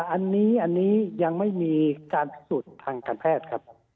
อันนี้ยังไม่มีการพิสูจน์ทางการแพทย์ครับ